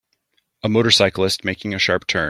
A motorcyclist making a sharp turn.